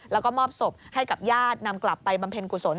แล้วก็มอบศพให้กับญาตินำกลับไปบำเพ็ญกุศล